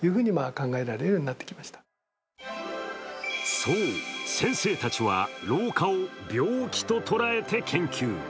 そう、先生たちは、老化を病気と捉えて研究。